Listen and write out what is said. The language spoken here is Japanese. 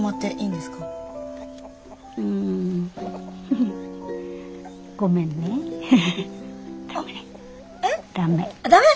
うんごめんね駄目。